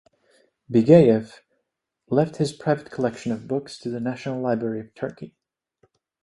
Bigeev left his private collection of books to the National Library of Turkey.